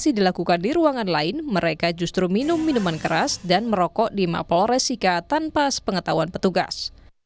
masih dilakukan di ruangan lain mereka justru minum minuman keras dan merokok di mapol resika tanpa sepengetahuan petugas